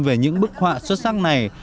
về những bức họa xuất sắc này